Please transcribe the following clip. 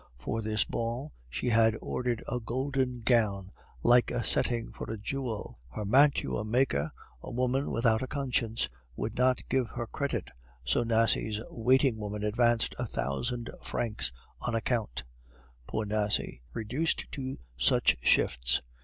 For this ball she had ordered a golden gown like a setting for a jewel. Her mantuamaker, a woman without a conscience, would not give her credit, so Nasie's waiting woman advanced a thousand francs on account. Poor Nasie! reduced to such shifts!